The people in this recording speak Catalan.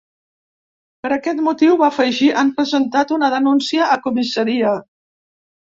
Per aquest motiu, va afegir, han presentat una denúncia a comissaria.